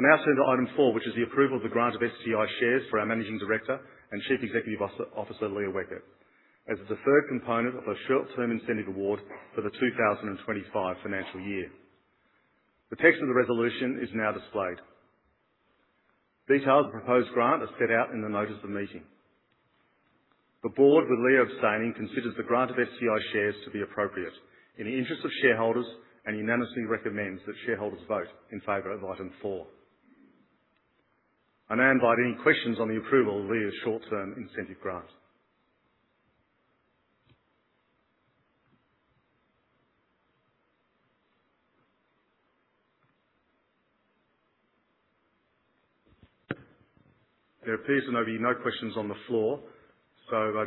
I'm now assuming item four, which is the approval of the grant of STI shares for our Managing Director and Chief Executive Officer Leah Weckert, as the third component of a short-term incentive award for the 2025 financial year. The text of the resolution is now displayed. Details of the proposed grant are set out in the notice of meeting. The board, with Leah abstaining, considers the grant of STI shares to be appropriate in the interest of shareholders and unanimously recommends that shareholders vote in favor of item four. I now invite any questions on the approval of Leah's short-term incentive grant. There appears to be no questions on the floor.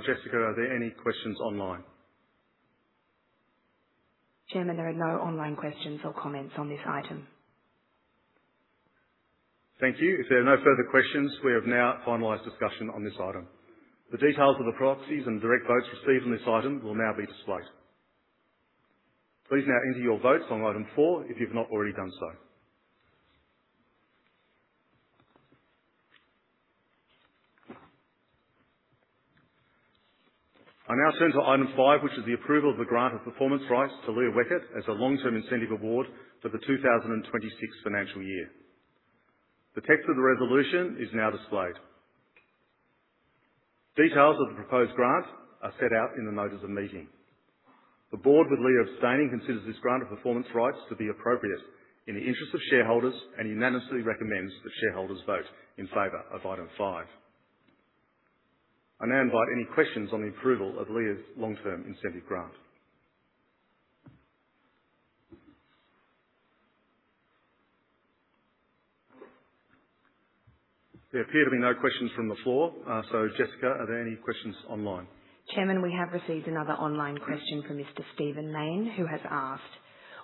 Jessica, are there any questions online? Chairman, there are no online questions or comments on this item. Thank you. If there are no further questions, we have now finalized discussion on this item. The details of the proxies and direct votes received on this item will now be displayed. Please now enter your votes on item four if you have not already done so. I now turn to item five, which is the approval of the grant of performance rights to Leah Weckert as a long-term incentive award for the 2026 financial year. The text of the resolution is now displayed. Details of the proposed grant are set out in the notice of meeting. The board, with Leah abstaining, considers this grant of performance rights to be appropriate in the interest of shareholders and unanimously recommends that shareholders vote in favor of item five. I now invite any questions on the approval of Leah's long-term incentive grant. There appear to be no questions from the floor. Jessica, are there any questions online? Chairman, we have received another online question from Mr. Stephen Mayne.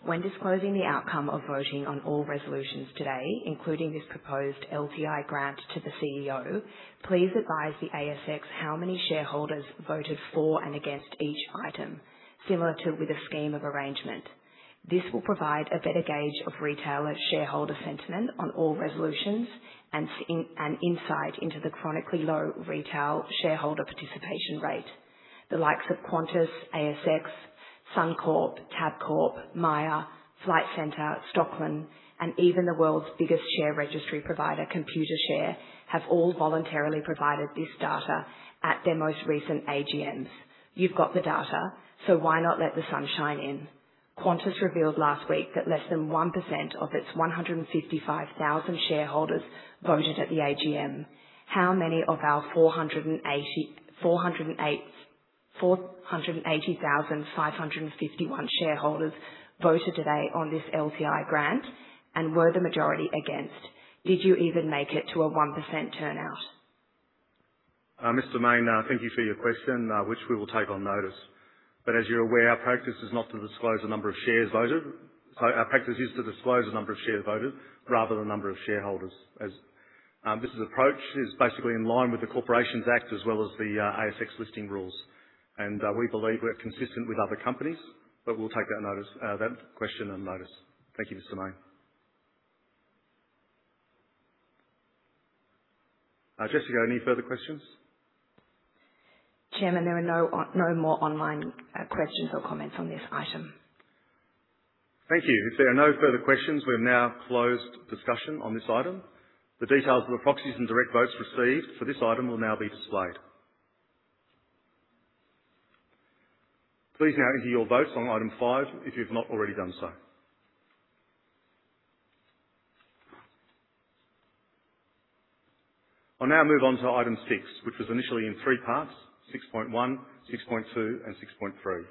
When disclosing the outcome of voting on all resolutions today, including this proposed LTI grant to the CEO, please advise the ASX how many shareholders voted for and against each item, similar to with a scheme of arrangement. This will provide a better gauge of retail shareholder sentiment on all resolutions and insight into the chronically low retail shareholder participation rate. The likes of Qantas, ASX, Suncorp, Tabcorp, Myer, Flight Centre, Stockland, and even the world's biggest share registry provider, Computershare, have all voluntarily provided this data at their most recent AGMs. You've got the data, so why not let the sunshine in? Qantas revealed last week that less than 1% of its 155,000 shareholders voted at the AGM. How many of our 480,551 shareholders voted today on this LTI grant, and were the majority against? Did you even make it to a 1% turnout? Mr. Mayne, thank you for your question, which we will take on notice. As you're aware, our practice is not to disclose the number of shares voted. Our practice is to disclose the number of shares voted rather than the number of shareholders. This approach is basically in line with the Corporations Act as well as the ASX Listing Rules. We believe we're consistent with other companies, but we'll take that question on notice. Thank you, Mr. Mayne. Jessica, any further questions? Chairman, there are no more online questions or comments on this item. Thank you. If there are no further questions, we have now closed discussion on this item. The details of the proxies and direct votes received for this item will now be displayed. Please now enter your votes on item five if you have not already done so. I'll now move on to item six, which was initially in three parts: 6.1, 6.2, and 6.3.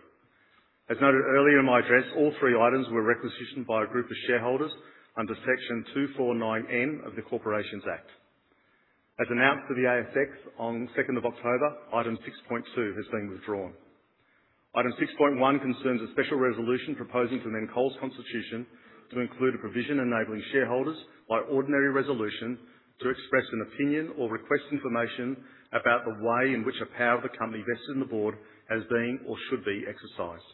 As noted earlier in my address, all three items were requisitioned by a group of shareholders under section 249N of the Corporations Act. As announced to the ASX on 2nd of October, item 6.2 has been withdrawn. Item 6.1 concerns a special resolution proposing to amend Coles Constitution to include a provision enabling shareholders, by ordinary resolution, to express an opinion or request information about the way in which a power of the company vested in the board has been or should be exercised.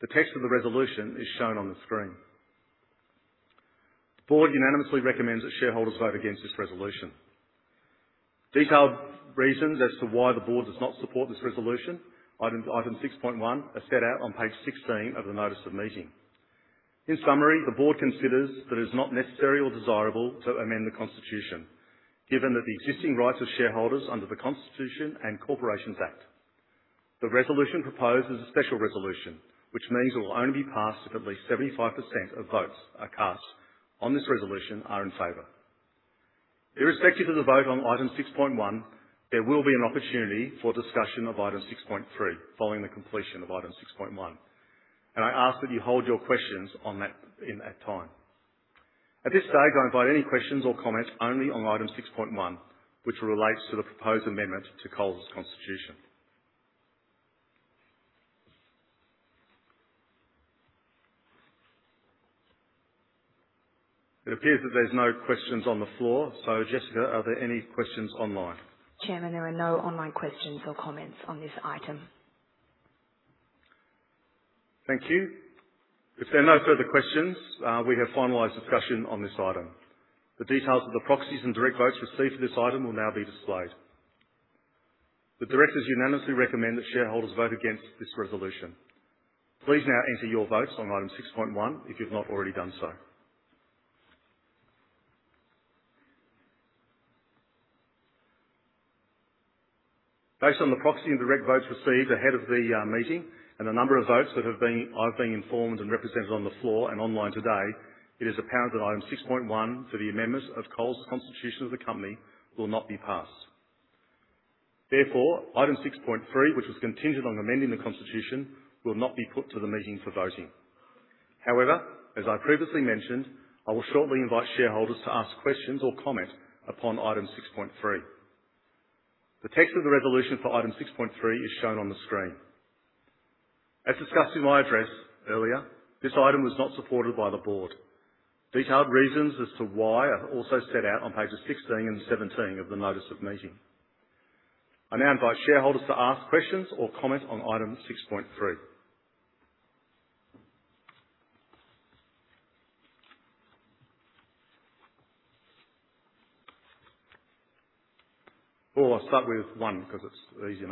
The text of the resolution is shown on the screen. The board unanimously recommends that shareholders vote against this resolution. Detailed reasons as to why the board does not support this resolution, item 6.1, are set out on page 16 of the notice of meeting. In summary, the board considers that it is not necessary or desirable to amend the Constitution, given the existing rights of shareholders under the Constitution and Corporations Act. The resolution proposed is a special resolution, which means it will only be passed if at least 75% of votes cast on this resolution are in favor. Irrespective of the vote on item 6.1, there will be an opportunity for discussion of item 6.3 following the completion of item 6.1. I ask that you hold your questions in that time. At this stage, I invite any questions or comments only on item 6.1, which relates to the proposed amendment to Coles Constitution. It appears that there are no questions on the floor. So, Jessica, are there any questions online? Chairman, there are no online questions or comments on this item. Thank you. If there are no further questions, we have finalized discussion on this item. The details of the proxies and direct votes received for this item will now be displayed. The directors unanimously recommend that shareholders vote against this resolution. Please now enter your votes on item 6.1 if you have not already done so. Based on the proxy and direct votes received ahead of the meeting and the number of votes that I've been informed and represented on the floor and online today, it is apparent that item 6.1 for the amendments of Coles Constitution to the company will not be passed. Therefore, item 6.3, which was contingent on amending the Constitution, will not be put to the meeting for voting. However, as I previously mentioned, I will shortly invite shareholders to ask questions or comment upon item 6.3. The text of the resolution for item 6.3 is shown on the screen. As discussed in my address earlier, this item was not supported by the board. Detailed reasons as to why are also set out on pages 16 and 17 of the notice of meeting. I now invite shareholders to ask questions or comment on item 6.3. Oh, I'll start with one because it's easier.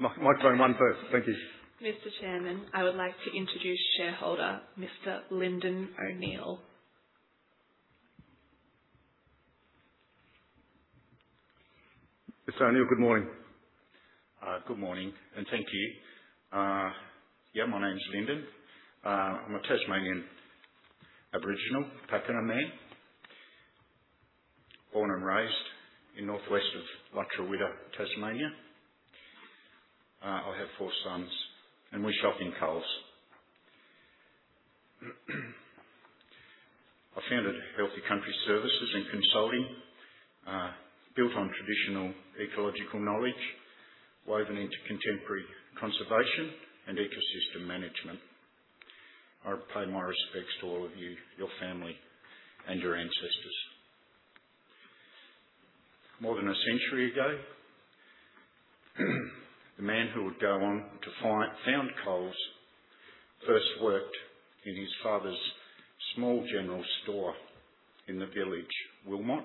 Microphone one first. Thank you. Mr. Chairman, I would like to introduce shareholder Mr. Lyndon O'Neill. Mr. O'Neill, good morning. Good morning and thank you. Yeah, my name's Lyndon. I'm a Tasmanian Aboriginal Packenamain, born and raised in northwest of Lutruwita, Tasmania. I have four sons, and we shop in Coles. I founded Healthy Country Services and Consulting, built on traditional ecological knowledge, woven into contemporary conservation and ecosystem management. I pay my respects to all of you, your family, and your ancestors. More than a century ago, the man who would go on to found Coles first worked in his father's small general store in the village of Wilmot,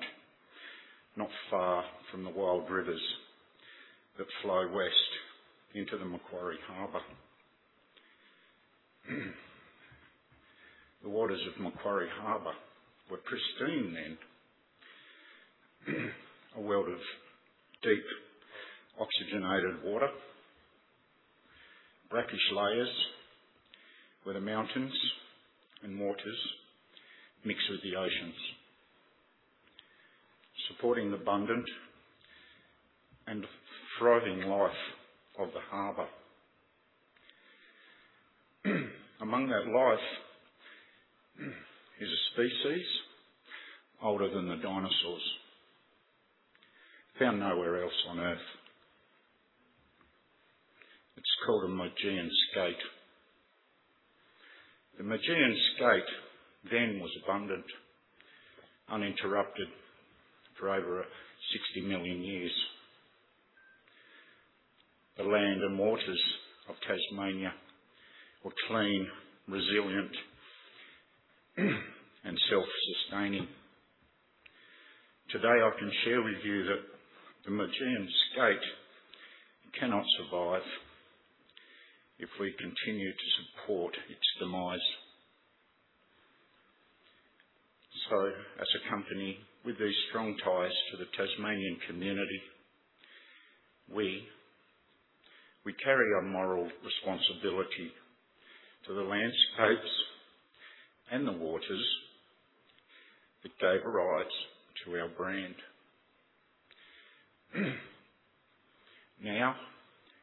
not far from the wild rivers that flow west into the Macquarie Harbour. The waters of Macquarie Harbour were pristine then, a world of deep oxygenated water, brackish layers where the mountains and waters mix with the oceans, supporting the abundant and thriving life of the harbour. Among that life is a species older than the dinosaurs, found nowhere else on earth. It's called a Maugean skate. The Maugean skate then was abundant, uninterrupted for over 60 million years. The land and waters of Tasmania were clean, resilient, and self-sustaining. Today, I can share with you that the Maugean skate cannot survive if we continue to support its demise. As a company with these strong ties to the Tasmanian community, we carry a moral responsibility to the landscapes and the waters that gave rise to our brand.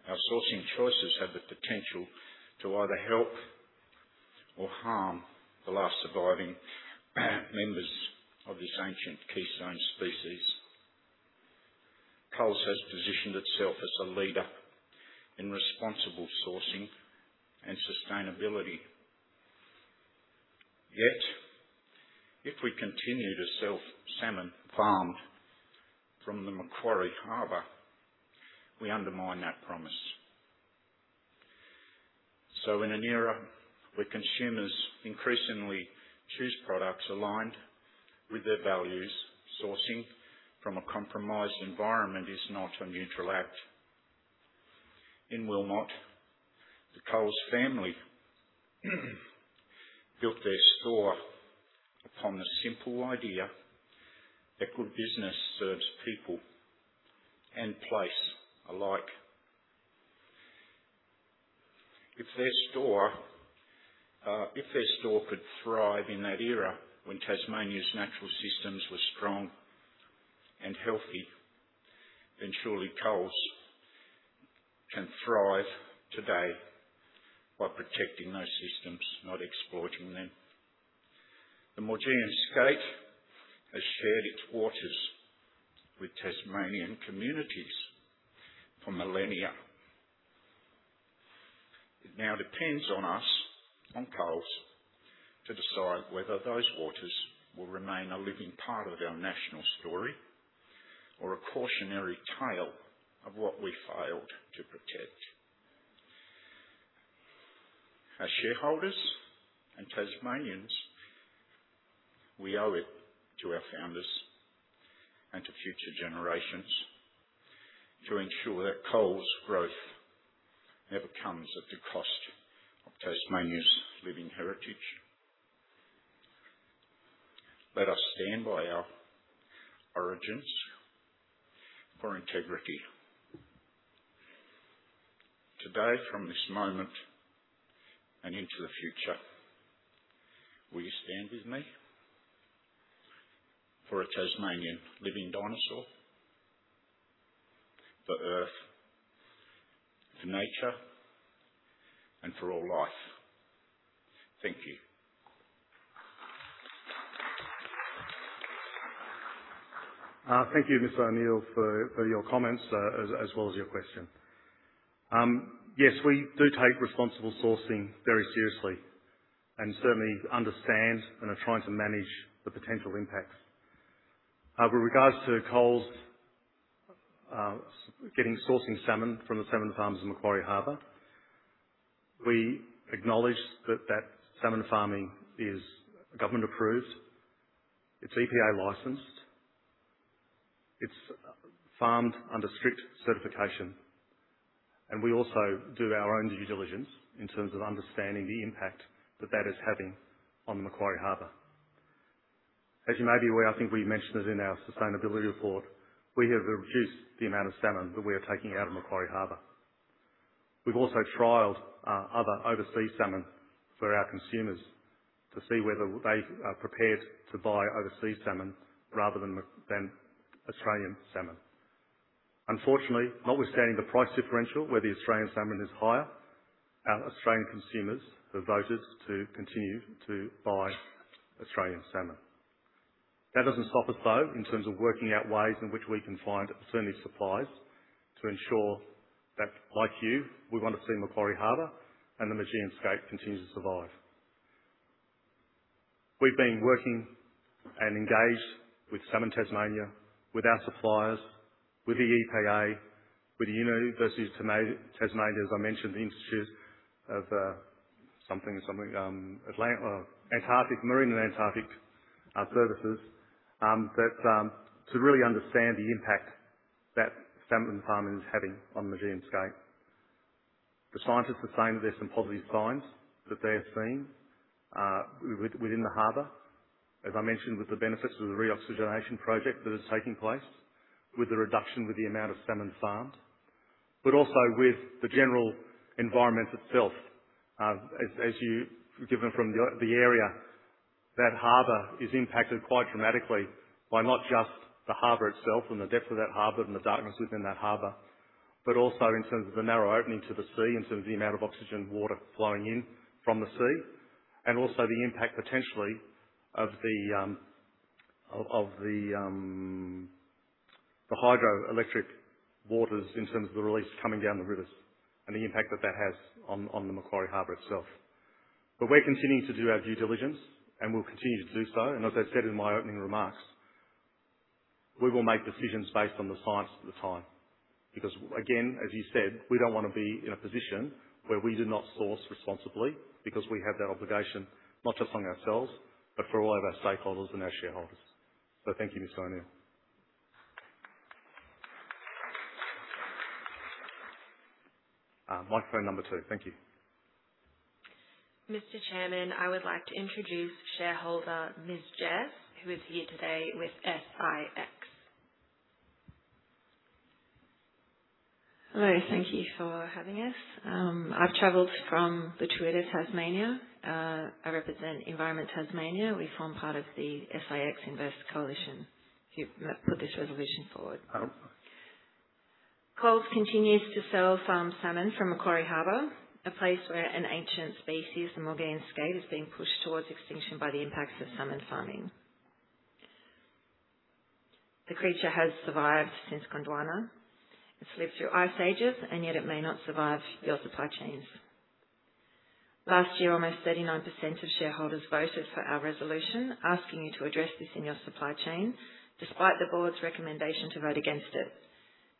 Our sourcing choices have the potential to either help or harm the last surviving members of this ancient keystone species. Coles has positioned itself as a leader in responsible sourcing and sustainability. Yet, if we continue to sell salmon farmed from the Macquarie Harbour, we undermine that promise. In an era where consumers increasingly choose products aligned with their values, sourcing from a compromised environment is not a neutral act. In Wilmot, the Coles family built their store upon the simple idea that good business serves people and place alike. If their store could thrive in that era when Tasmania's natural systems were strong and healthy, then surely Coles can thrive today by protecting those systems, not exploiting them. The Maugean skate has shared its waters with Tasmanian communities for millennia. It now depends on us, on Coles, to decide whether those waters will remain a living part of our national story or a cautionary tale of what we failed to protect. As shareholders and Tasmanians, we owe it to our founders and to future generations to ensure that Coles' growth never comes at the cost of Tasmania's living heritage. Let us stand by our origins for integrity. Today, from this moment and into the future, will you stand with me for a Tasmanian living dinosaur? For earth, for nature, and for all life. Thank you. Thank you, Mr. O'Neill, for your comments as well as your question. Yes, we do take responsible sourcing very seriously and certainly understand and are trying to manage the potential impacts. With regards to Coles getting sourcing salmon from the salmon farmers in Macquarie Harbour, we acknowledge that that salmon farming is government approved. It is EPA licensed. It is farmed under strict certification. We also do our own due diligence in terms of understanding the impact that that is having on the Macquarie Harbour. As you may be aware, I think we mentioned it in our sustainability report, we have reduced the amount of salmon that we are taking out of Macquarie Harbour. We have also trialed other overseas salmon for our consumers to see whether they are prepared to buy overseas salmon rather than Australian salmon. Unfortunately, notwithstanding the price differential where the Australian salmon is higher, our Australian consumers have voted to continue to buy Australian salmon. That doesn't stop us, though, in terms of working out ways in which we can find alternative supplies to ensure that, like you, we want to see Macquarie Harbour and the Maugean skate continue to survive. We've been working and engaged with Salmon Tasmania, with our suppliers, with the EPA, with the University of Tasmania, as I mentioned, the Institute of Marine and Antarctic Studies, to really understand the impact that salmon farming is having on the Maugean skate. The STIentists are saying that there are some positive signs that they're seeing within the harbour, as I mentioned, with the benefits of the reoxygenation project that is taking place, with the reduction with the amount of salmon farmed, but also with the general environment itself. As you've given from the area, that harbour is impacted quite dramatically by not just the harbour itself and the depth of that harbour and the darkness within that harbour, but also in terms of the narrow opening to the sea, in terms of the amount of oxygen water flowing in from the sea, and also the impact potentially of the hydroelectric waters in terms of the release coming down the rivers and the impact that that has on the Macquarie Harbour itself. We are continuing to do our due diligence, and we'll continue to do so. As I said in my opening remarks, we will make decisions based on the STIence at the time. Because, again, as you said, we do not want to be in a position where we do not source responsibly because we have that obligation not just on ourselves, but for all of our stakeholders and our shareholders. Thank you, Mr. O'Neill. Microphone number two. Thank you. Mr. Chairman, I would like to introduce shareholder Ms. Jess, who is here today with SIX. Hello. Thank you for having us. I've travelled from the Tweeder, Tasmania. I represent Environment Tasmania. We form part of the SIX Invest Coalition. You put this resolution forward. Coles continues to sell farmed salmon from Macquarie Harbour, a place where an ancient species, the Maugean skate, is being pushed towards extinction by the impacts of salmon farming. The creature has survived since Gondwana. It's lived through ice ages, and yet it may not survive your supply chains. Last year, almost 39% of shareholders voted for our resolution asking you to address this in your supply chain, despite the board's recommendation to vote against it.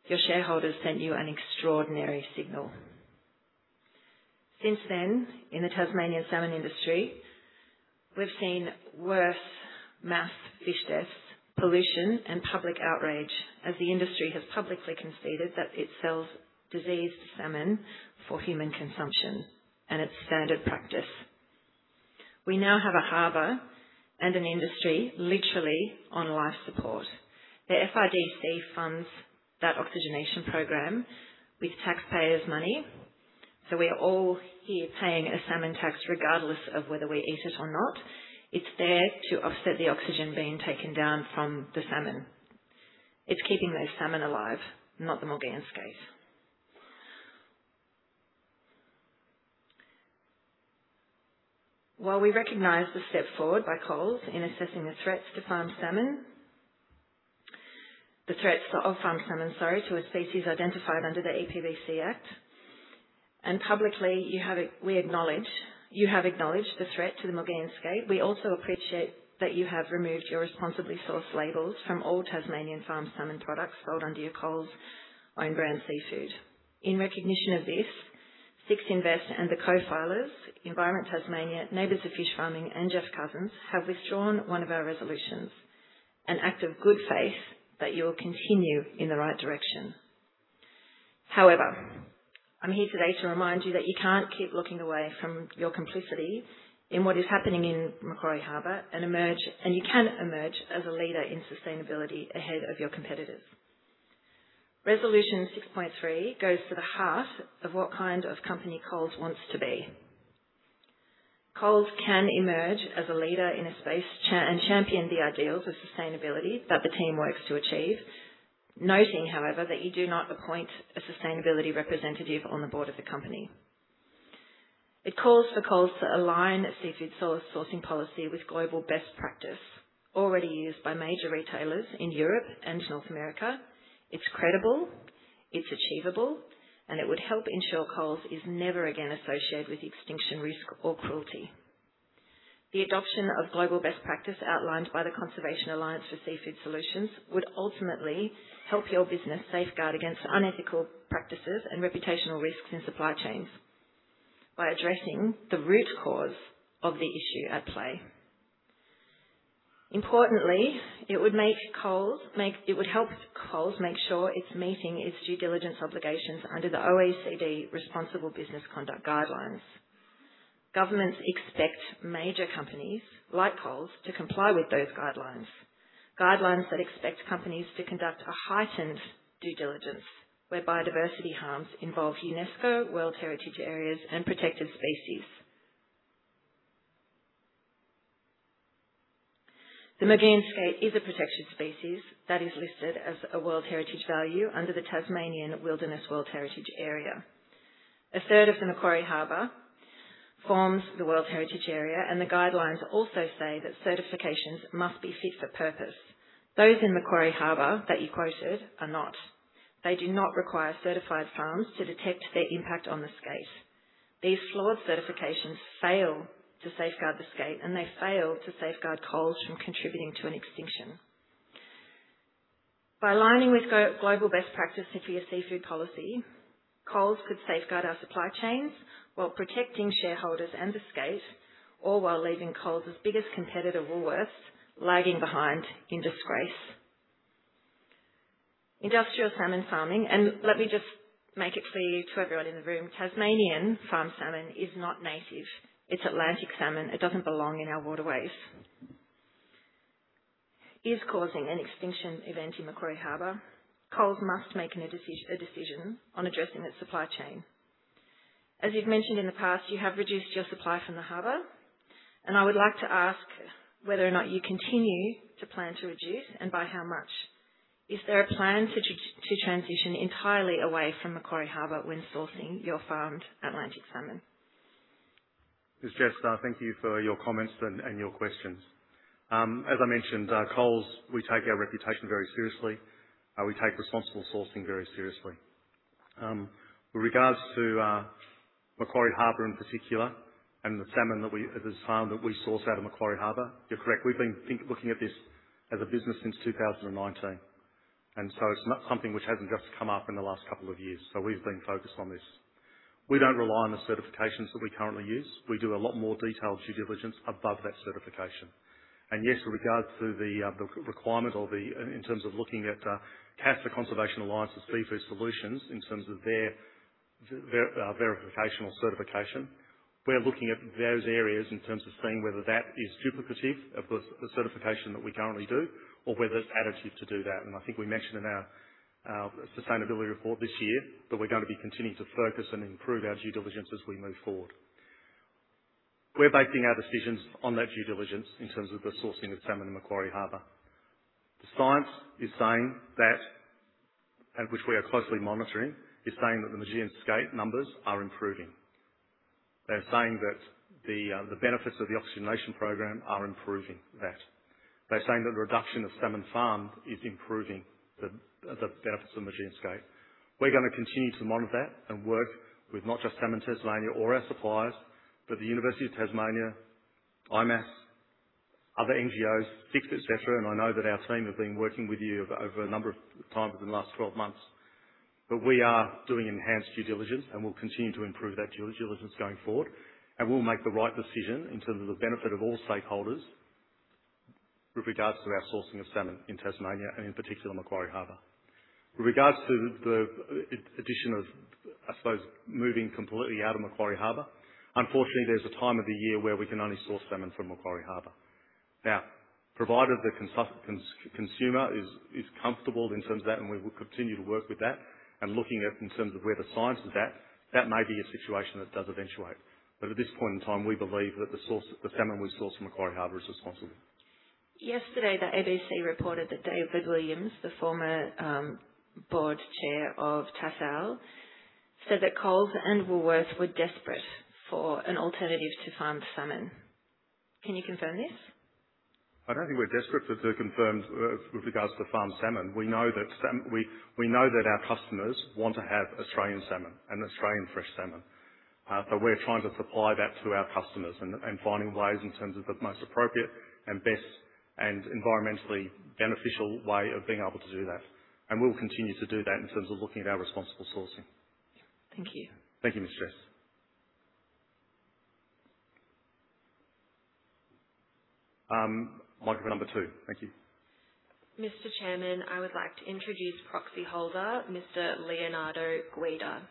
Your shareholders sent you an extraordinary signal. Since then, in the Tasmanian salmon industry, we've seen worse mass fish deaths, pollution, and public outrage as the industry has publicly conceded that it sells diseased salmon for human consumption and its standard practice. We now have a harbour and an industry literally on life support. The FIDC funds that oxygenation program with taxpayers' money. We are all here paying a salmon tax regardless of whether we eat it or not. It's there to offset the oxygen being taken down from the salmon. It's keeping those salmon alive, not the Maugean skate. While we recognize the step forward by Coles in assessing the threats to farmed salmon, the threats of farmed salmon, sorry, to a species identified under the EPBC Act, and publicly we acknowledge you have acknowledged the threat to the Maugean skate, we also appreciate that you have removed your responsibly sourced labels from all Tasmanian farmed salmon products sold under your Coles own brand seafood. In recognition of this, SIX Invest and the co-filers, Environment Tasmania, Neighbours for Fish Farming, and Jeff Cousins, have withdrawn one of our resolutions, an act of good faith that you will continue in the right direction. However, I'm here today to remind you that you can't keep looking away from your complicity in what is happening in Macquarie Harbour and emerge, and you can emerge as a leader in sustainability ahead of your competitors. Resolution 6.3 goes to the heart of what kind of company Coles wants to be. Coles can emerge as a leader in a space and champion the ideals of sustainability that the team works to achieve, noting, however, that you do not appoint a sustainability representative on the board of the company. It calls for Coles to align seafood sourcing policy with global best practice already used by major retailers in Europe and North America. It is credible. It is achievable. It would help ensure Coles is never again associated with extinction risk or cruelty. The adoption of global best practice outlined by the Conservation Alliance for Seafood Solutions would ultimately help your business safeguard against unethical practices and reputational risks in supply chains by addressing the root cause of the issue at play. Importantly, it would help Coles make sure it's meeting its due diligence obligations under the OECD Responsible Business Conduct Guidelines. Governments expect major companies like Coles to comply with those guidelines, guidelines that expect companies to conduct a heightened due diligence where biodiversity harms involve UNESCO World Heritage Areas and protected species. The Maugean skate is a protected species that is listed as a World Heritage Value under the Tasmanian Wilderness World Heritage Area. A third of the Macquarie Harbour forms the World Heritage Area, and the guidelines also say that certifications must be fit for purpose. Those in Macquarie Harbour that you quoted are not. They do not require certified farms to detect their impact on the skate. These flawed certifications fail to safeguard the skate, and they fail to safeguard Coles from contributing to an extinction. By aligning with global best practice for your seafood policy, Coles could safeguard our supply chains while protecting shareholders and the skate or while leaving Coles' biggest competitor, Woolworths, lagging behind in disgrace. Industrial salmon farming, and let me just make it clear to everyone in the room, Tasmanian farmed salmon is not native. It's Atlantic salmon. It doesn't belong in our waterways. It is causing an extinction event in Macquarie Harbour. Coles must make a decision on addressing its supply chain. As you've mentioned in the past, you have reduced your supply from the harbour, and I would like to ask whether or not you continue to plan to reduce and by how much. Is there a plan to transition entirely away from Macquarie Harbour when sourcing your farmed Atlantic salmon? Ms. Jess, thank you for your comments and your questions. As I mentioned, Coles, we take our reputation very seriously. We take responsible sourcing very seriously. With regards to Macquarie Harbour in particular and the salmon that is found that we source out of Macquarie Harbour, you're correct. We've been looking at this as a business since 2019. It's not something which hasn't just come up in the last couple of years. We've been focused on this. We don't rely on the certifications that we currently use. We do a lot more detailed due diligence above that certification. Yes, with regards to the requirement or in terms of looking at CASS, the Conservation Alliance for Seafood Solutions, in terms of their verification or certification, we're looking at those areas in terms of seeing whether that is duplicative of the certification that we currently do or whether it's additive to do that. I think we mentioned in our sustainability report this year that we're going to be continuing to focus and improve our due diligence as we move forward. We're basing our decisions on that due diligence in terms of the sourcing of salmon in Macquarie Harbour. The STIence is saying that, and which we are closely monitoring, is saying that the Maugean skate numbers are improving. They're saying that the benefits of the oxygenation program are improving that. They're saying that the reduction of salmon farmed is improving the benefits of Maugean skate. We're going to continue to monitor that and work with not just Salmon Tasmania or our suppliers, but the University of Tasmania, IMAS, other NGOs, SIX, etc. I know that our team have been working with you over a number of times in the last 12 months. We are doing enhanced due diligence, and we'll continue to improve that due diligence going forward. We'll make the right decision in terms of the benefit of all stakeholders with regards to our sourcing of salmon in Tasmania and in particular Macquarie Harbour. With regards to the addition of, I suppose, moving completely out of Macquarie Harbour, unfortunately, there's a time of the year where we can only source salmon from Macquarie Harbour. Now, provided the consumer is comfortable in terms of that, and we will continue to work with that and looking at in terms of where the STIence is at, that may be a situation that does eventuate. At this point in time, we believe that the source of the salmon we source from Macquarie Harbour is responsible. Yesterday, the ABC reported that David Williams, the former board chair of Tassal, said that Coles and Woolworths were desperate for an alternative to farmed salmon. Can you confirm this? I do not think we are desperate to confirm with regards to farmed salmon. We know that our customers want to have Australian salmon and Australian fresh salmon. We are trying to supply that to our customers and finding ways in terms of the most appropriate and best and environmentally beneficial way of being able to do that. We will continue to do that in terms of looking at our responsible sourcing. Thank you. Thank you, Ms. Jess. Microphone number two. Thank you. Mr. Chairman, I would like to introduce proxy holder, Mr. Leonardo Guedes.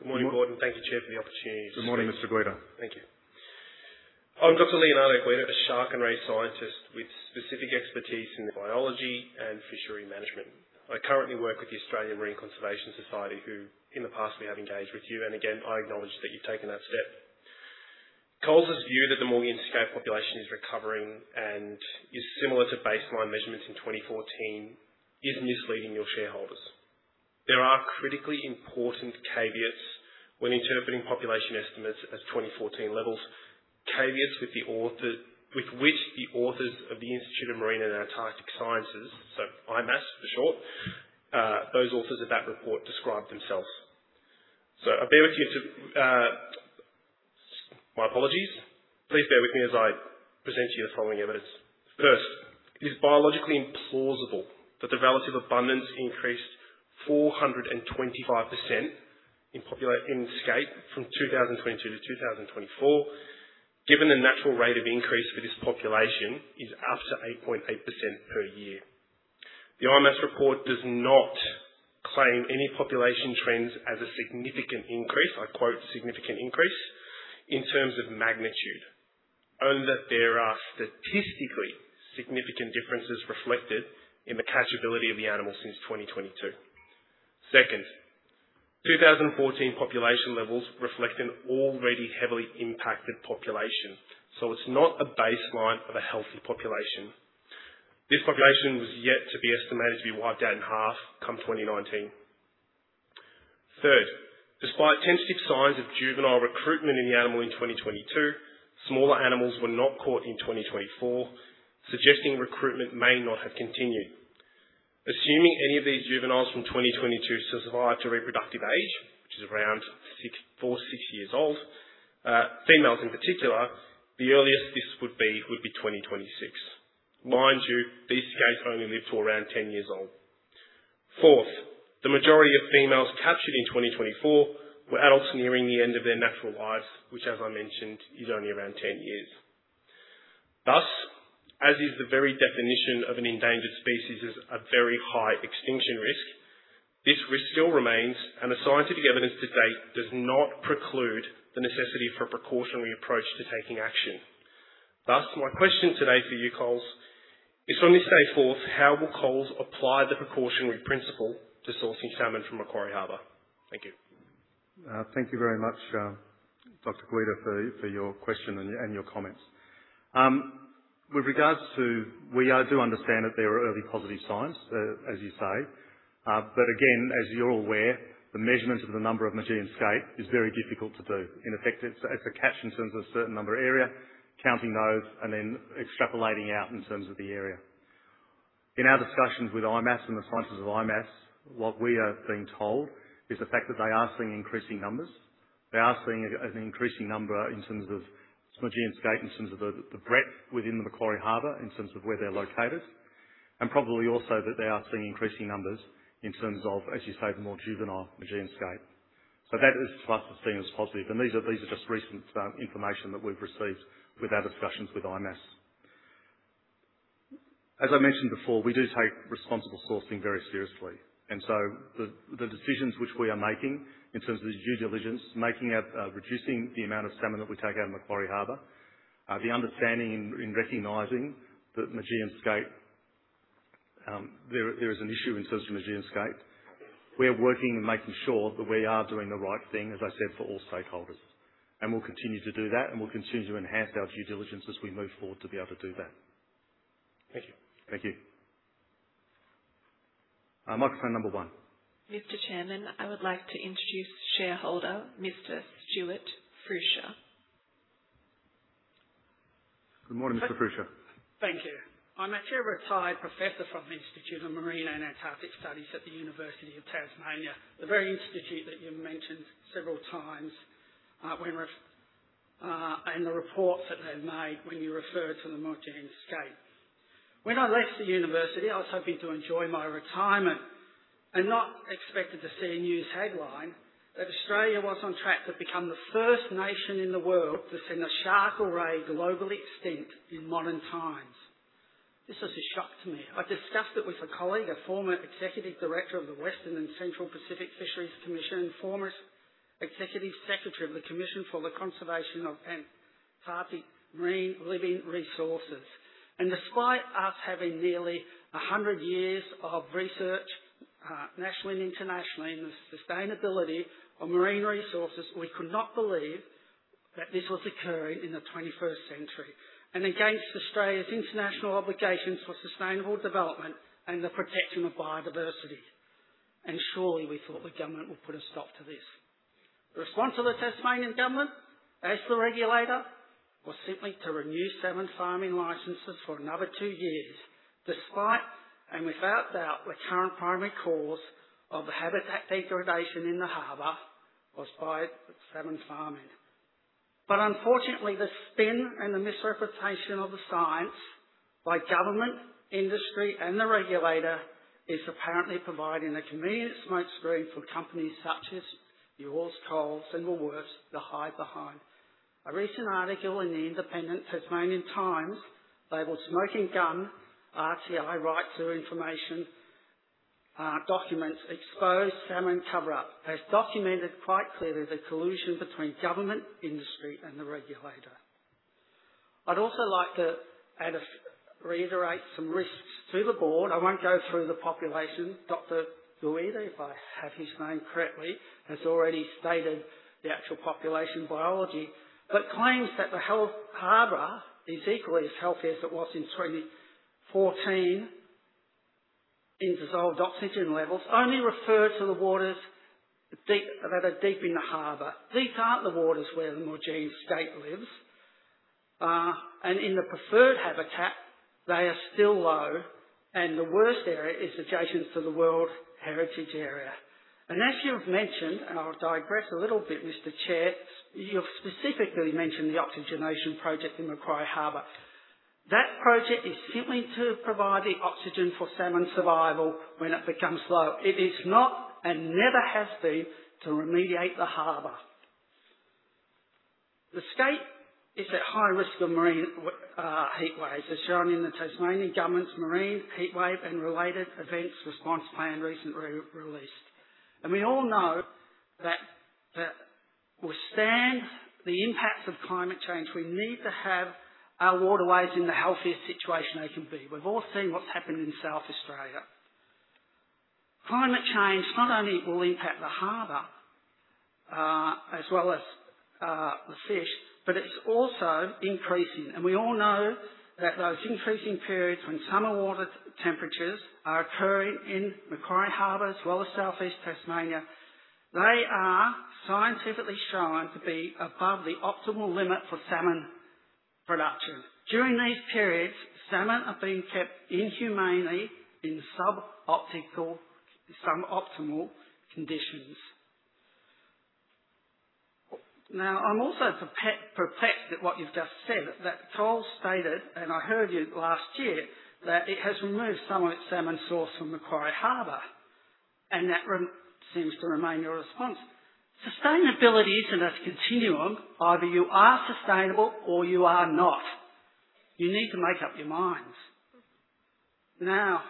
Good morning, Gordon. Thank you, Chair, for the opportunity. Good morning, Mr. Guedes. Thank you. I am Dr. Leonardo Guedes, a shark and ray scientist with specific expertise in biology and fishery management. I currently work with the Australian Marine Conservation Society, who in the past we have engaged with you. I acknowledge that you've taken that step. Coles' view that the Maugean skate population is recovering and is similar to baseline measurements in 2014 is misleading your shareholders. There are critically important caveats when interpreting population estimates as 2014 levels, caveats with which the authors of the Institute of Marine and Antarctic Studies, so IMAS for short, those authors of that report describe themselves. Please bear with me as I present to you the following evidence. First, it is biologically implausible that the relative abundance increased 425% in skate from 2022 to 2024, given the natural rate of increase for this population is up to 8.8% per year. The IMAS report does not claim any population trends as a significant increase, I quote significant increase, in terms of magnitude, only that there are statistically significant differences reflected in the catchability of the animal since 2022. Second, 2014 population levels reflect an already heavily impacted population. So it is not a baseline of a healthy population. This population was yet to be estimated to be wiped out in half come 2019. Third, despite tentative signs of juvenile recruitment in the animal in 2022, smaller animals were not caught in 2024, suggesting recruitment may not have continued. Assuming any of these juveniles from 2022 survive to reproductive age, which is around four to six years old, females in particular, the earliest this would be would be 2026. Mind you, these skates only live to around 10 years old. Fourth, the majority of females captured in 2024 were adults nearing the end of their natural lives, which, as I mentioned, is only around 10 years. Thus, as is the very definition of an endangered species as a very high extinction risk, this risk still remains, and the STIentific evidence to date does not preclude the necessity for a precautionary approach to taking action. Thus, my question today for you, Coles, is from this day forth, how will Coles apply the precautionary principle to sourcing salmon from Macquarie Harbour? Thank you. Thank you very much, Dr. Guedes, for your question and your comments. With regards to, we do understand that there are early positive signs, as you say. Again, as you're aware, the measurement of the number of Maugean skate is very difficult to do. In effect, it's a catch in terms of a certain number of area, counting those, and then extrapolating out in terms of the area. In our discussions with IMAS and the STIentists of IMAS, what we are being told is the fact that they are seeing increasing numbers. They are seeing an increasing number in terms of Maugean skate, in terms of the breadth within the Macquarie Harbour, in terms of where they're located, and probably also that they are seeing increasing numbers in terms of, as you say, the more juvenile Maugean skate. That is, to us, seen as positive. These are just recent information that we've received with our discussions with IMAS. As I mentioned before, we do take responsible sourcing very seriously. The decisions which we are making in terms of the due diligence, making a reducing the amount of salmon that we take out of Macquarie Harbour, the understanding in recognizing that Maugean skate, there is an issue in terms of Maugean skate, we are working and making sure that we are doing the right thing, as I said, for all stakeholders. We will continue to do that, and we will continue to enhance our due diligence as we move forward to be able to do that. Thank you. Thank you. Microphone number one. Mr. Chairman, I would like to introduce shareholder Mr. Stuart Frusher. Good morning, Mr. Frusher. Thank you. I'm a chair-retired professor from the Institute of Marine and Antarctic Studies at the University of Tasmania, the very institute that you mentioned several times when and the reports that they've made when you referred to the Maugean skate. When I left the university, I was hoping to enjoy my retirement and not expected to see a news headline that Australia was on track to become the first nation in the world to send a shark or ray globally extinct in modern times. This was a shock to me. I discussed it with a colleague, a former executive director of the Western and Central Pacific Fisheries Commission, former executive secretary of the Commission for the Conservation of Antarctic Marine Living Resources. Despite us having nearly 100 years of research nationally and internationally in the sustainability of marine resources, we could not believe that this was occurring in the 21st century and against Australia's international obligations for sustainable development and the protection of biodiversity. Surely we thought the government would put a stop to this. The response of the Tasmanian government as the regulator was simply to renew salmon farming licenses for another two years, despite and without doubt the current primary cause of the habitat degradation in the harbour was by salmon farming. Unfortunately, the spin and the misrepresentation of the STIence by government, industry, and the regulator is apparently providing a convenient smoke screen for companies such as yours, Coles, and Woolworths to hide behind. A recent article in the independent Tasmanian Times labelled Smoking Gun RTI Right to Information documents exposed salmon coverup has documented quite clearly the collusion between government, industry, and the regulator. I'd also like to reiterate some risks to the board. I won't go through the population. Dr. Guedes, if I have his name correctly, has already stated the actual population biology, but claims that the harbour is equally as healthy as it was in 2014 in dissolved oxygen levels only refer to the waters that are deep in the harbour. These aren't the waters where the Maugean skate lives. In the preferred habitat, they are still low, and the worst area is adjacent to the World Heritage Area. As you've mentioned, and I'll digress a little bit, Mr. Chair, you've specifically mentioned the oxygenation project in Macquarie Harbour. That project is simply to provide the oxygen for salmon survival when it becomes low. It is not and never has been to remediate the harbour. The skate is at high risk of marine heat waves, as shown in the Tasmanian government's Marine Heat Wave and Related Events Response Plan recently released. We all know that to withstand the impacts of climate change, we need to have our waterways in the healthiest situation they can be. We have all seen what has happened in South Australia. Climate change not only will impact the harbour as well as the fish, it is also increasing. We all know that those increasing periods when summer water temperatures are occurring in Macquarie Harbour, as well as Southeast Tasmania, are scientifically shown to be above the optimal limit for salmon production. During these periods, salmon are being kept inhumanely in suboptimal conditions. Now, I'm also perplexed at what you've just said, that Coles stated, and I heard you last year, that it has removed some of its salmon source from Macquarie Harbour. That seems to remain your response. Sustainability isn't a continuum. Either you are sustainable or you are not. You need to make up your minds. Now,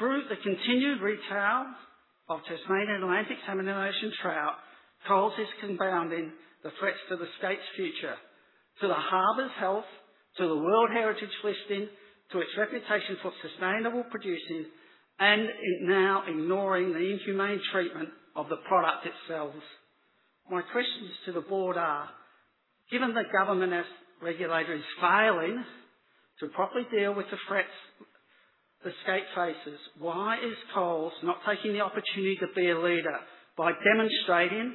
through the continued retail of Tasmanian Atlantic salmon and ocean trout, Coles is compounding the threats to the skate's future, to the harbour's health, to the World Heritage listing, to its reputation for sustainable producing, and now ignoring the inhumane treatment of the product itself. My questions to the board are, given the government as regulator is failing to properly deal with the threats the skate faces, why is Coles not taking the opportunity to be a leader by demonstrating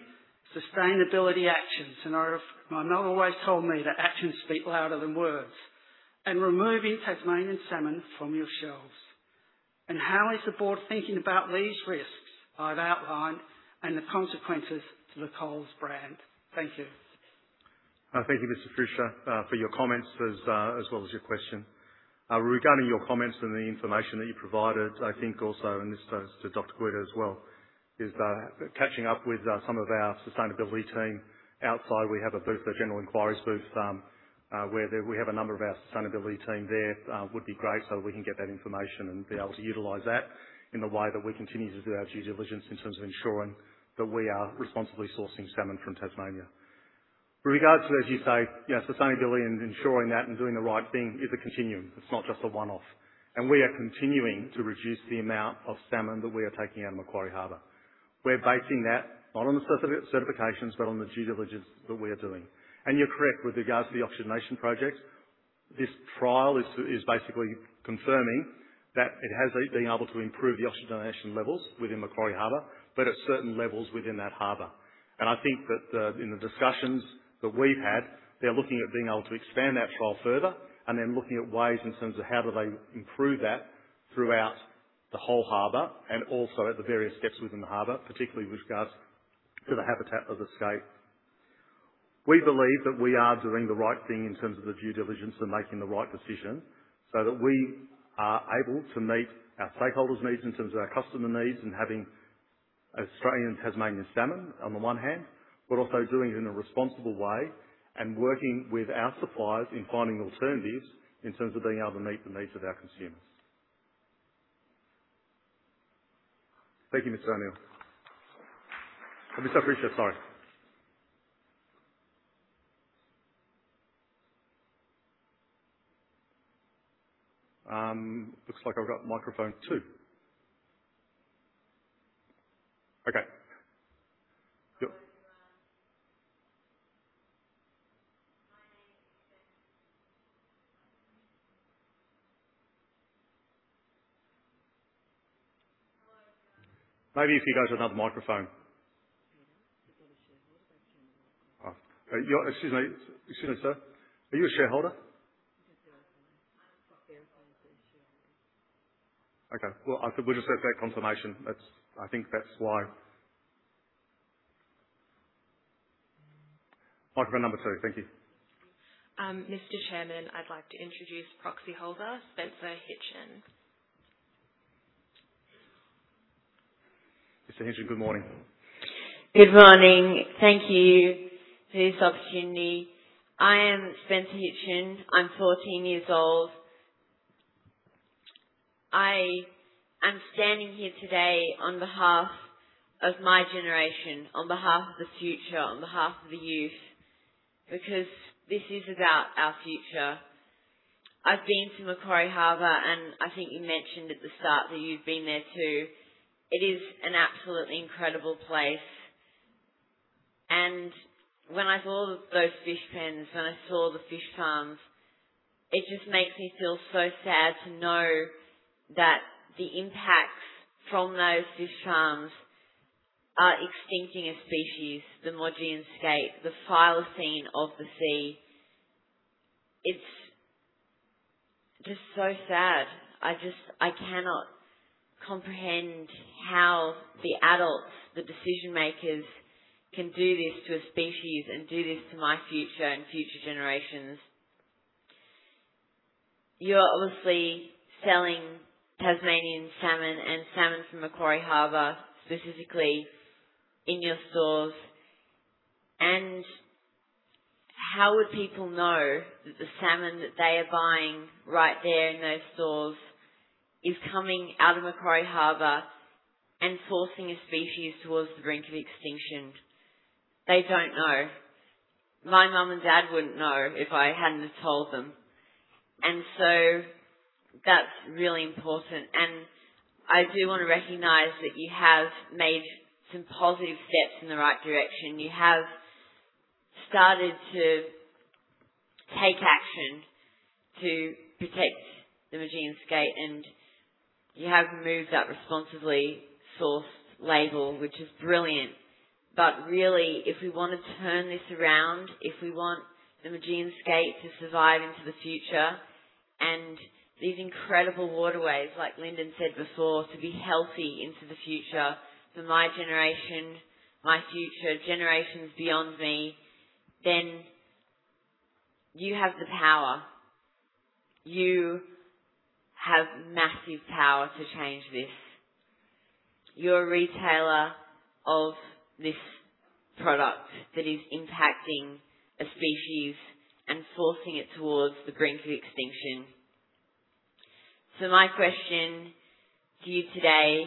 sustainability actions? I'm not always told me that actions speak louder than words. Removing Tasmanian salmon from your shelves. How is the board thinking about these risks I've outlined and the consequences to the Coles brand? Thank you. Thank you, Mr. Frusher, for your comments as well as your question. Regarding your comments and the information that you provided, I think also, and this goes to Dr. Guedes as well, is catching up with some of our sustainability team outside. We have a booth, a general inquiries booth, where we have a number of our sustainability team there. It would be great so that we can get that information and be able to utilize that in the way that we continue to do our due diligence in terms of ensuring that we are responsibly sourcing salmon from Tasmania. With regards to, as you say, sustainability and ensuring that and doing the right thing is a continuum. It's not just a one-off. We are continuing to reduce the amount of salmon that we are taking out of Macquarie Harbour. We're basing that not on the certifications, but on the due diligence that we are doing. You're correct with regards to the oxygenation project. This trial is basically confirming that it has been able to improve the oxygenation levels within Macquarie Harbour, but at certain levels within that harbour. I think that in the discussions that we've had, they're looking at being able to expand that trial further and then looking at ways in terms of how do they improve that throughout the whole harbour and also at the various steps within the harbour, particularly with regards to the habitat of the skate. We believe that we are doing the right thing in terms of the due diligence and making the right decision so that we are able to meet our stakeholders' needs in terms of our customer needs and having Australian and Tasmanian salmon on the one hand, but also doing it in a responsible way and working with our suppliers in finding alternatives in terms of being able to meet the needs of our consumers. Thank you, Mr. O'Neill. Mr. Frusher, sorry. Looks like I've got microphone two. Okay. Maybe if you go to another microphone. Excuse me. Excuse me, sir. Are you a shareholder? Okay. We'll just get that confirmation. I think that's why. Microphone number two. Thank you. Mr. Chairman, I'd like to introduce proxy holder, Spencer Hitchen. Mr. Hitchen, good morning. Good morning. Thank you for this opportunity. I am Spencer Hitchen. I'm 14 years old. I am standing here today on behalf of my generation, on behalf of the future, on behalf of the youth, because this is about our future. I've been to Macquarie Harbour, and I think you mentioned at the start that you've been there too. It is an absolutely incredible place. When I saw those fish pens, when I saw the fish farms, it just makes me feel so sad to know that the impacts from those fish farms are extincting a species, the Maugean skate, the phylocene of the sea. It's just so sad. I cannot comprehend how the adults, the decision makers, can do this to a species and do this to my future and future generations. You're obviously selling Tasmanian salmon and salmon from Macquarie Harbour specifically in your stores. How would people know that the salmon that they are buying right there in those stores is coming out of Macquarie Harbour and forcing a species towards the brink of extinction? They do not know. My mum and dad would not know if I had not told them. That is really important. I do want to recognize that you have made some positive steps in the right direction. You have started to take action to protect the Maugean skate, and you have moved that responsibly sourced label, which is brilliant. Really, if we want to turn this around, if we want the Maugean skate to survive into the future and these incredible waterways, like Lyndon said before, to be healthy into the future for my generation, my future, generations beyond me, then you have the power. You have massive power to change this. You're a retailer of this product that is impacting a species and forcing it towards the brink of extinction. My question to you today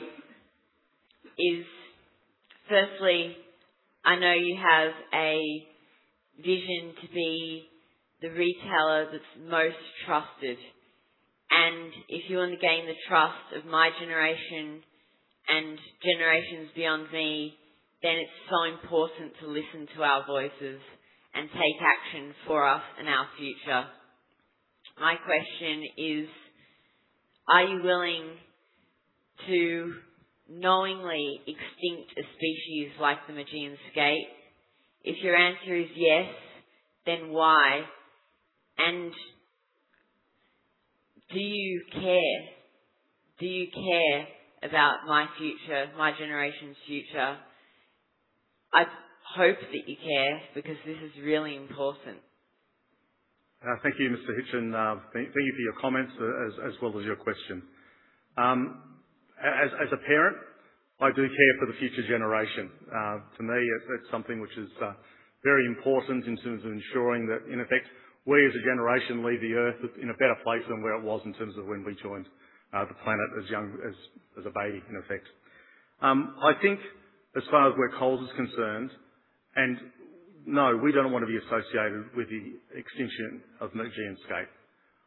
is, firstly, I know you have a vision to be the retailer that's most trusted. If you want to gain the trust of my generation and generations beyond me, then it's so important to listen to our voices and take action for us and our future. My question is, are you willing to knowingly extinct a species like the Maugean skate? If your answer is yes, then why? Do you care? Do you care about my future, my generation's future? I hope that you care because this is really important. Thank you, Mr. Hitchen. Thank you for your comments as well as your question. As a parent, I do care for the future generation. To me, it's something which is very important in terms of ensuring that, in effect, we as a generation leave the earth in a better place than where it was in terms of when we joined the planet as a baby, in effect. I think as far as where Coles is concerned, and no, we don't want to be associated with the extinction of Maugean skate.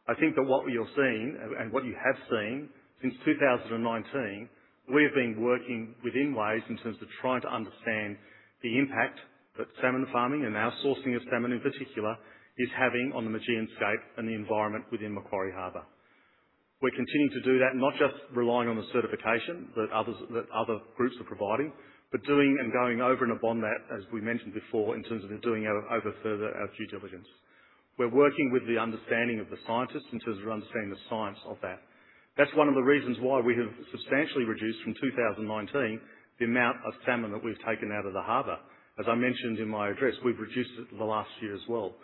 I think that what you're seeing and what you have seen since 2019, we have been working within ways in terms of trying to understand the impact that salmon farming and our sourcing of salmon in particular is having on the Maugean skate and the environment within Macquarie Harbour. We're continuing to do that, not just relying on the certification that other groups are providing, but doing and going over and above that, as we mentioned before, in terms of doing over further our due diligence. We're working with the understanding of the scientists in terms of understanding the STIence of that. That's one of the reasons why we have substantially reduced from 2019 the amount of salmon that we've taken out of the harbour. As I mentioned in my address, we've reduced it the last year as well.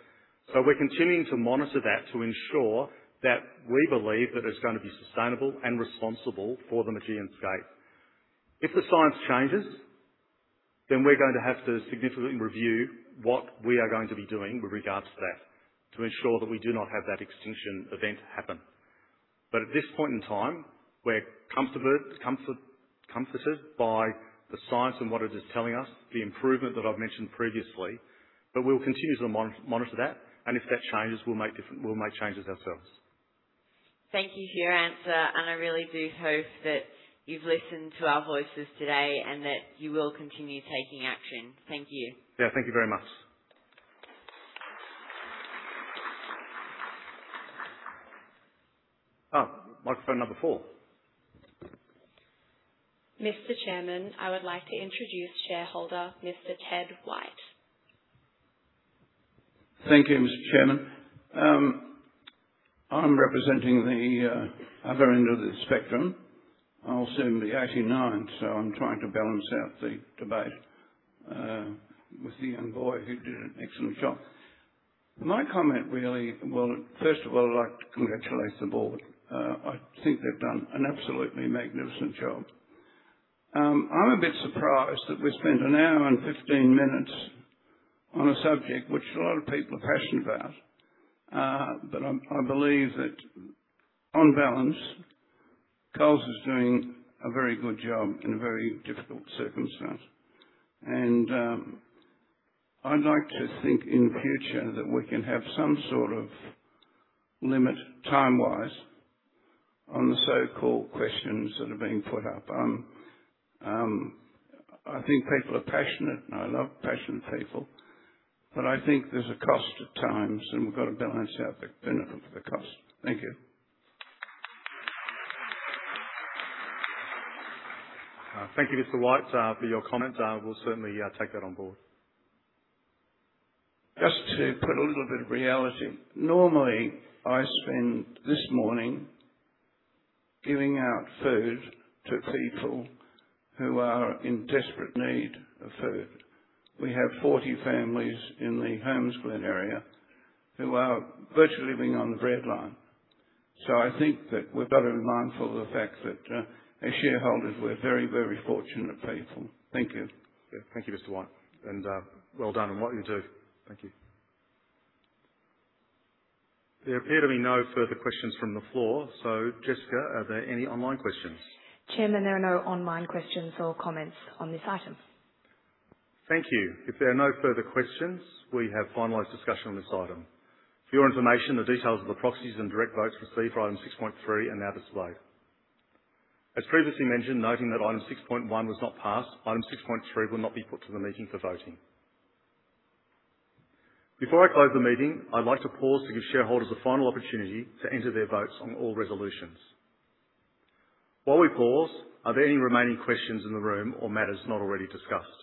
We're continuing to monitor that to ensure that we believe that it's going to be sustainable and responsible for the Maugean skate. If the STIence changes, then we're going to have to significantly review what we are going to be doing with regards to that to ensure that we do not have that extinction event happen. At this point in time, we're comforted by the science and what it is telling us, the improvement that I've mentioned previously, but we'll continue to monitor that. If that changes, we'll make changes ourselves. Thank you for your answer. I really do hope that you've listened to our voices today and that you will continue taking action. Thank you. Yeah, thank you very much. Microphone number four. Mr. Chairman, I would like to introduce shareholder Mr. Ted White. Thank you, Mr. Chairman. I'm representing the other end of the spectrum. I'll soon be 89, so I'm trying to balance out the debate with the young boy who did an excellent job. My comment really, first of all, I'd like to congratulate the board. I think they've done an absolutely magnificent job. I'm a bit surprised that we spent an hour and 15 minutes on a subject which a lot of people are passionate about. I believe that on balance, Coles is doing a very good job in a very difficult circumstance. I'd like to think in future that we can have some sort of limit time-wise on the so-called questions that are being put up. I think people are passionate, and I love passionate people, but I think there's a cost at times, and we've got to balance out the benefit for the cost. Thank you. Thank you, Mr. White, for your comments. We'll certainly take that on board. Just to put a little bit of reality, normally I spend this morning giving out food to people who are in desperate need of food. We have 40 families in the Holmes Glen area who are virtually living on the breadline. I think that we've got to be mindful of the fact that as shareholders, we're very, very fortunate people. Thank you. Thank you, Mr. White. And well done on what you do. Thank you. There appear to be no further questions from the floor. Jessica, are there any online questions? Chairman, there are no online questions or comments on this item. Thank you. If there are no further questions, we have finalised discussion on this item. For your information, the details of the proxies and direct votes received for item 6.3 are now displayed. As previously mentioned, noting that item 6.1 was not passed, item 6.3 will not be put to the meeting for voting. Before I close the meeting, I'd like to pause to give shareholders a final opportunity to enter their votes on all resolutions. While we pause, are there any remaining questions in the room or matters not already discussed?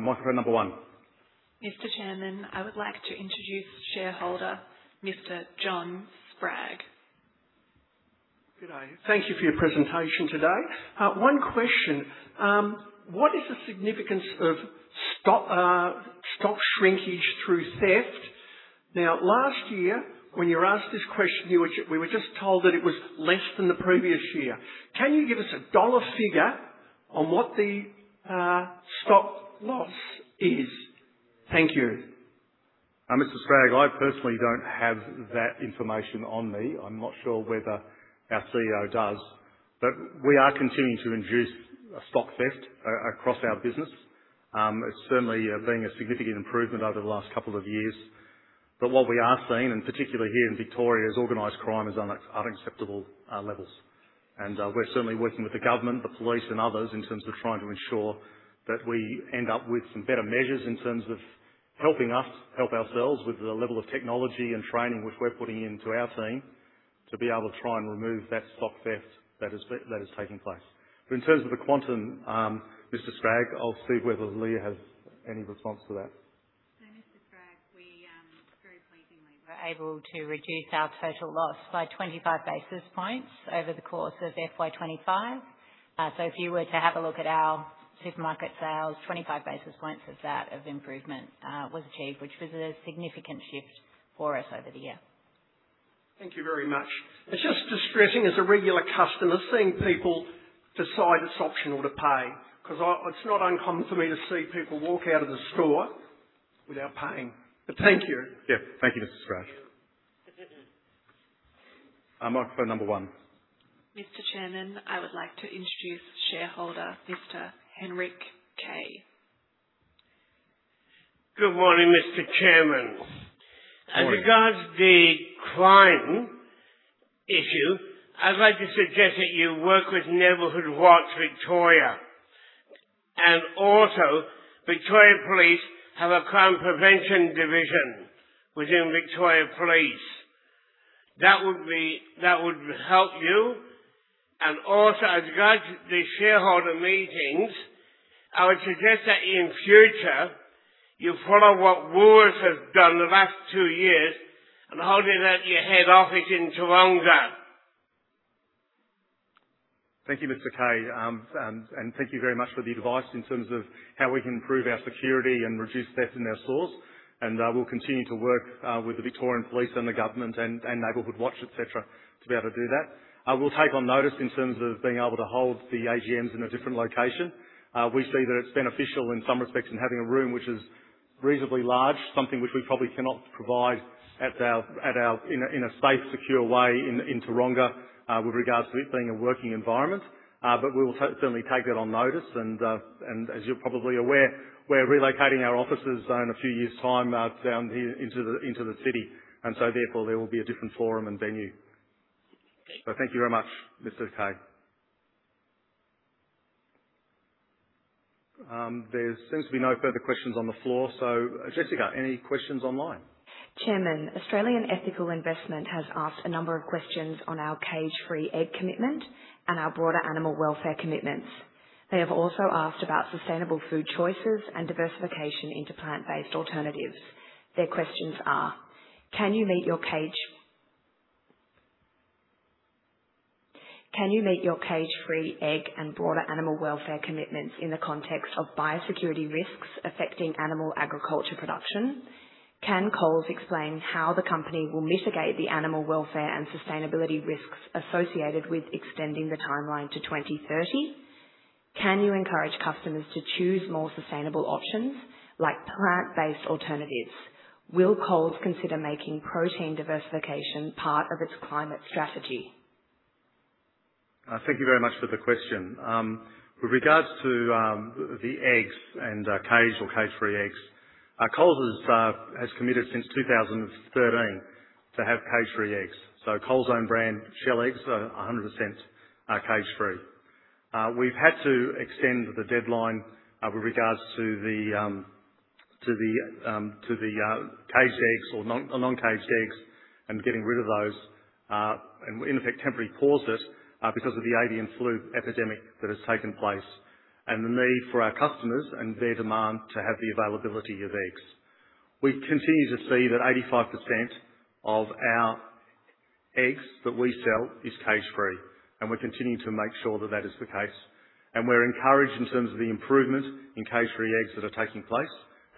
Microphone number one. Mr. Chairman, I would like to introduce shareholder Mr. John Spragg. Thank you for your presentation today. One question. What is the significance of stock shrinkage through theft? Now, last year, when you were asked this question, we were just told that it was less than the previous year. Can you give us a dollar figure on what the stock loss is? Thank you. Mr. Spragg, I personally don't have that information on me. I'm not sure whether our CEO does. But we are continuing to induce stock theft across our business. It's certainly been a significant improvement over the last couple of years. What we are seeing, and particularly here in Victoria, is organized crime is at unacceptable levels. We are certainly working with the government, the police, and others in terms of trying to ensure that we end up with some better measures in terms of helping us help ourselves with the level of technology and training which we are putting into our team to be able to try and remove that stock theft that is taking place. In terms of the quantum, Mr. Spragg, I will see whether Leah has any response to that. Mr. Spragg, we very pleasingly were able to reduce our total loss by 25 basis points over the course of FY2025. If you were to have a look at our supermarket sales, 25 basis points of that improvement was achieved, which was a significant shift for us over the year. Thank you very much. It's just distressing as a regular customer seeing people decide it's optional to pay because it's not uncommon for me to see people walk out of the store without paying. Thank you. Thank you, Mr. Spragg. Microphone number one. Mr. Chairman, I would like to introduce shareholder Mr. Henrick Kay. Good morning, Mr. Chairman. In regards to the crime issue, I'd like to suggest that you work with Neighbourhood Watch, Victoria. Also, Victoria Police have a crime prevention division within Victoria Police. That would help you. Also, as regards to the shareholder meetings, I would suggest that in future, you follow what Woolworths has done the last two years and hold it at your head office in Tooronga. Thank you, Mr. Kay. Thank you very much for the advice in terms of how we can improve our security and reduce theft in our stores. We will continue to work with the Victorian Police and the government and Neighbourhood Watch, etc., to be able to do that. I will take on notice in terms of being able to hold the AGMs in a different location. We see that it is beneficial in some respects in having a room which is reasonably large, something which we probably cannot provide in a safe, secure way in Tooronga with regards to it being a working environment. We will certainly take that on notice. As you are probably aware, we are relocating our offices in a few years' time down here into the city. Therefore, there will be a different forum and venue. Thank you very much, Mr. Kay. There seems to be no further questions on the floor. Jessica, any questions online? Chairman, Australian Ethical Investment has asked a number of questions on our cage-free egg commitment and our broader animal welfare commitments. They have also asked about sustainable food choices and diversification into plant-based alternatives. Their questions are: Can you meet your cage-free egg and broader animal welfare commitments in the context of biosecurity risks affecting animal agriculture production? Can Coles explain how the company will mitigate the animal welfare and sustainability risks associated with extending the timeline to 2030? Can you encourage customers to choose more sustainable options like plant-based alternatives? Will Coles consider making protein diversification part of its climate strategy? Thank you very much for the question. With regards to the eggs and cage or cage-free eggs, Coles has committed since 2013 to have cage-free eggs. So Coles' own brand shell eggs are 100% cage-free. We've had to extend the deadline with regards to the caged eggs or non-caged eggs and getting rid of those, in effect, temporarily pause it because of the avian flu epidemic that has taken place and the need for our customers and their demand to have the availability of eggs. We continue to see that 85% of our eggs that we sell is cage-free. We're continuing to make sure that that is the case. We're encouraged in terms of the improvement in cage-free eggs that are taking place.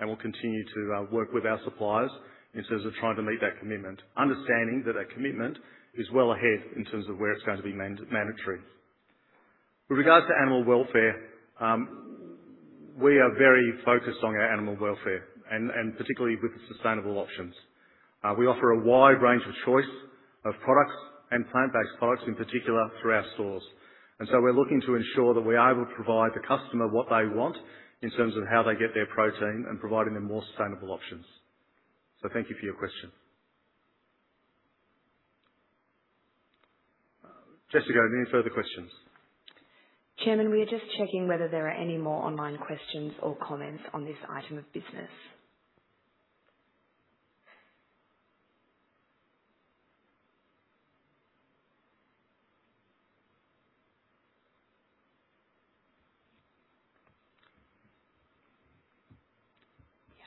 We'll continue to work with our suppliers in terms of trying to meet that commitment, understanding that that commitment is well ahead in terms of where it's going to be mandatory. With regards to animal welfare, we are very focused on our animal welfare and particularly with the sustainable options. We offer a wide range of choice of products and plant-based products, in particular, through our stores. We are looking to ensure that we are able to provide the customer what they want in terms of how they get their protein and providing them more sustainable options. Thank you for your question. Jessica, any further questions? Chairman, we are just checking whether there are any more online questions or comments on this item of business.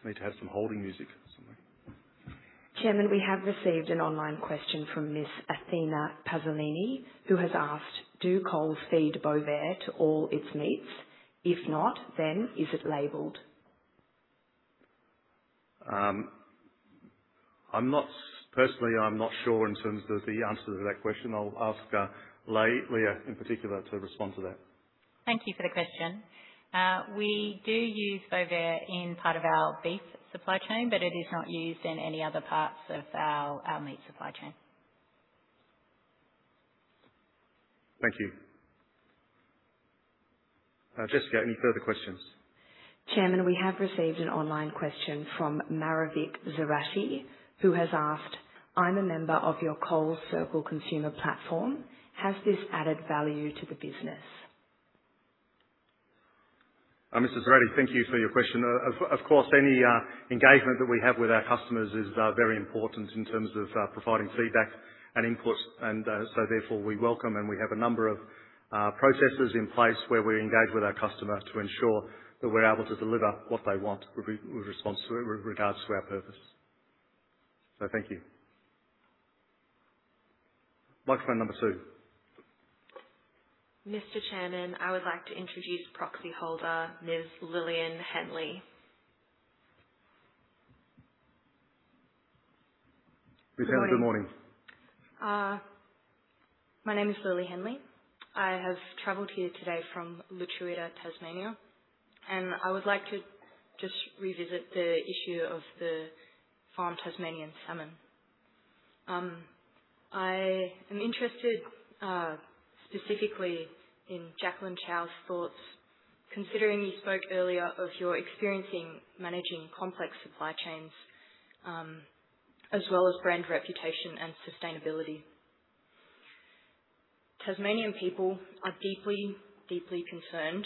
We need to have some holding music somewhere. Chairman, we have received an online question from Miss Athena Pazzelini, who has asked, "Do Coles feed Bovaer to all its meats? If not, then is it labelled?" Personally, I'm not sure in terms of the answer to that question. I'll ask Leah in particular to respond to that. Thank you for the question. We do use Bovaer in part of our beef supply chain, but it is not used in any other parts of our meat supply chain. Thank you. Jessica, any further questions? Chairman, we have received an online question from Maravik Zerati, who has asked, "I'm a member of your Coles Circle consumer platform. Has this added value to the business?" Mr. Zerati, thank you for your question. Of course, any engagement that we have with our customers is very important in terms of providing feedback and input. Therefore, we welcome and we have a number of processes in place where we engage with our customer to ensure that we're able to deliver what they want with regards to our purpose. Thank you. Microphone number two. Mr. Chairman, I would like to introduce proxy holder Ms. Lillian Henley. Lillian. Good morning. My name is Lillian Henley. I have travelled here today from Lutruwita, Tasmania. I would like to just revisit the issue of the farmed Tasmanian salmon. I am interested specifically in Jacqueline Chow's thoughts, considering you spoke earlier of your experience managing complex supply chains as well as brand reputation and sustainability. Tasmanian people are deeply, deeply concerned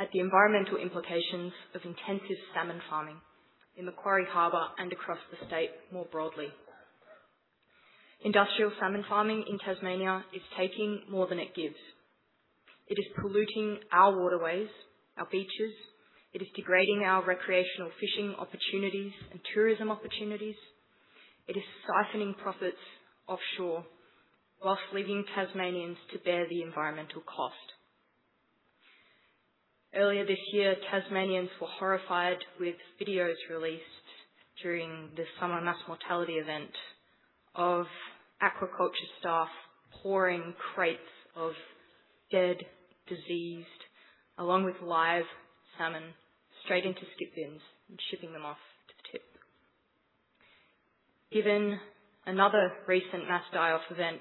at the environmental implications of intensive salmon farming in Macquarie Harbour and across the state more broadly. Industrial salmon farming in Tasmania is taking more than it gives. It is polluting our waterways, our beaches. It is degrading our recreational fishing opportunities and tourism opportunities. It is siphoning profits offshore whilst leaving Tasmanians to bear the environmental cost. Earlier this year, Tasmanians were horrified with videos released during the summer mass mortality event of aquaculture staff pouring crates of dead, diseased, along with live salmon straight into skip bins and shipping them off to the tip. Given another recent mass die-off event,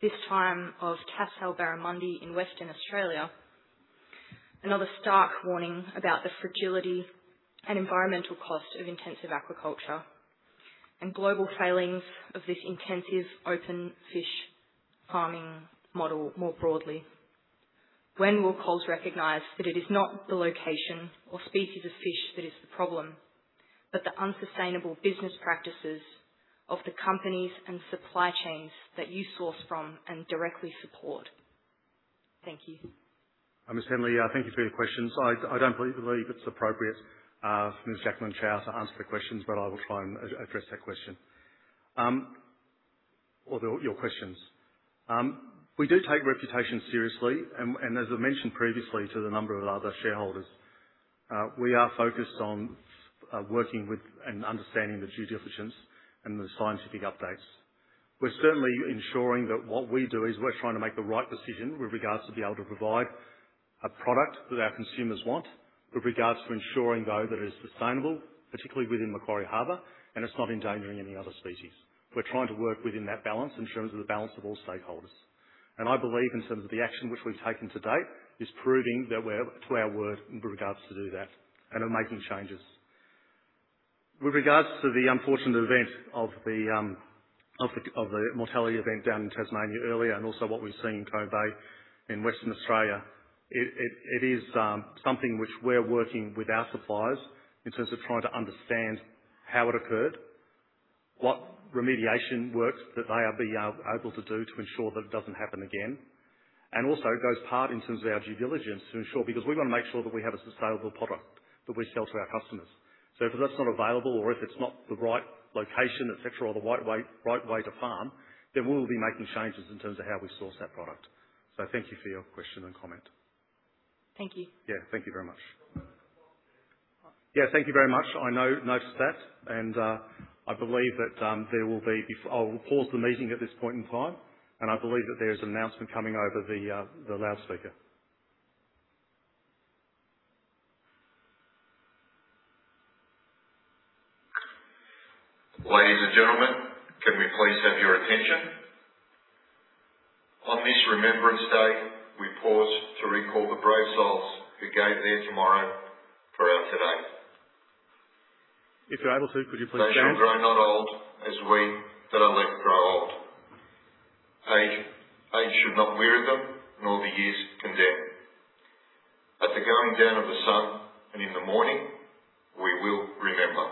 this time of Tassal Barramundi in Western Australia, another stark warning about the fragility and environmental cost of intensive aquaculture and global failings of this intensive open fish farming model more broadly. When will Coles recognize that it is not the location or species of fish that is the problem, but the unsustainable business practices of the companies and supply chains that you source from and directly support? Thank you. Ms. Henley, thank you for your questions. I do not believe it is appropriate for Ms. Jacqueline Chow to answer the questions, but I will try and address that question or your questions. We do take reputation seriously. As I mentioned previously to a number of other shareholders, we are focused on working with and understanding the due diligence and the scientific updates. We're certainly ensuring that what we do is we're trying to make the right decision with regards to be able to provide a product that our consumers want with regards to ensuring, though, that it is sustainable, particularly within Macquarie Harbour, and it's not endangering any other species. We're trying to work within that balance in terms of the balance of all stakeholders. I believe in terms of the action which we've taken to date is proving that we're to our word with regards to do that and of making changes. With regards to the unfortunate event of the mortality event down in Tasmania earlier and also what we've seen in Cone Bay in Western Australia, it is something which we're working with our suppliers in terms of trying to understand how it occurred, what remediation work that they are able to do to ensure that it doesn't happen again. It goes part in terms of our due diligence to ensure because we want to make sure that we have a sustainable product that we sell to our customers. If that's not available or if it's not the right location, etc., or the right way to farm, then we will be making changes in terms of how we source that product. Thank you for your question and comment. Thank you. Yeah, thank you very much. I noticed that. I believe that there will be, I will pause the meeting at this point in time. I believe that there is an announcement coming over the loudspeaker. Ladies and gentlemen, can we please have your attention? On this Remembrance Day, we pause to recall the brave souls who gave their tomorrow for our today. If you're able to, could you please stand? As we grow not old as we that are left grow old. Age should not weary them, nor be years condemned. At the going down of the sun and in the morning, we will remember.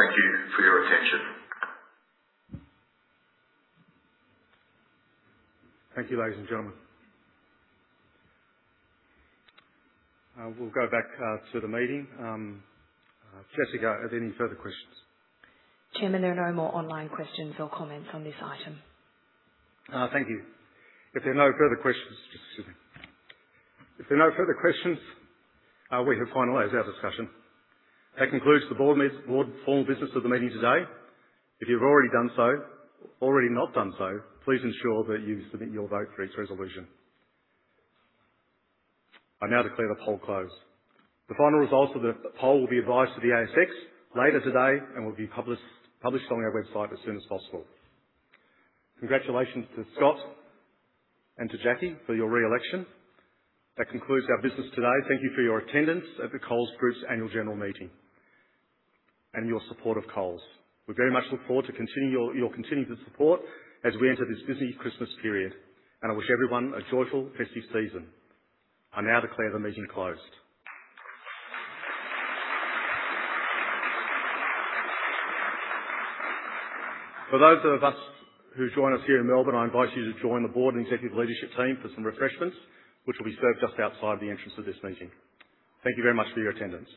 Ladies and gentlemen, can we please pause for a moment of silence? Thank you for your attention. Thank you, ladies and gentlemen. We'll go back to the meeting. Jessica, any further questions? Chairman, there are no more online questions or comments on this item. Thank you. If there are no further questions, just excuse me. If there are no further questions, we have finalized our discussion. That concludes the board formal business of the meeting today. If you've already done so, already not done so, please ensure that you submit your vote for its resolution. I now declare the poll closed. The final results of the poll will be advised to the ASX later today and will be published on our website as soon as possible. Congratulations to Scott and to Jackie for your re-election. That concludes our business today. Thank you for your attendance at the Coles Group's annual general meeting and your support of Coles. We very much look forward to continuing your continued support as we enter this busy Christmas period. I wish everyone a joyful festive season. I now declare the meeting closed. For those of us who join us here in Melbourne, I invite you to join the board and executive leadership team for some refreshments, which will be served just outside the entrance of this meeting. Thank you very much for your attendance.